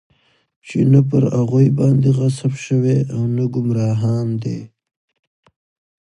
چې نه پر هغوى باندې غضب شوى او نه ګمراهان دی.